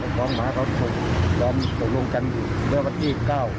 เจ้าของพาเขาตกลงกันฤทธิ์๒๙